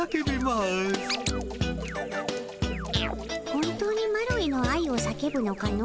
本当にマロへの愛を叫ぶのかの？